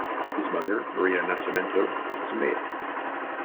His mother, Maria Nascimento, was a maid.